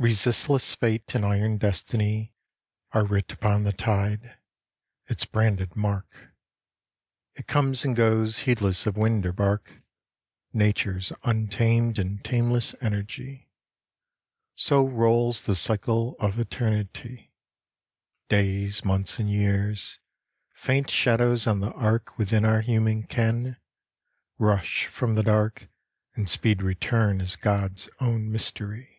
Resistless fate and iron destiny Are writ upon the tide its branded mark. It comes and goes heedless of wind or bark, Nature's untamed and tameless energy. So rolls the cycle of eternity, Days, months, and years faint shadows on the arc Within our human ken rush from the dark And speed return as God's own mystery.